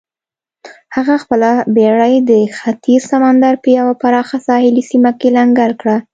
هغه خپله بېړۍ د ختیځ سمندر په یوه پراخه ساحلي سیمه کې لنګر کړه.